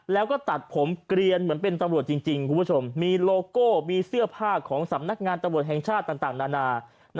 แล้วก็ตัดผมเกลียนเป็นตำรวจจริงมีโลโก้เสื้อผ้าของสำนักงานตำรวจแห่งชาติอะไร